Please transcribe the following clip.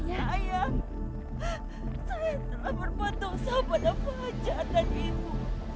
ayah saya telah berbuat dosa pada pahajaan dan ibu